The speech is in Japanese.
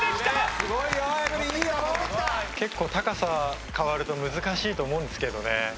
すごいよ結構高さ変わると難しいと思うんですけどね